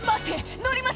乗ります！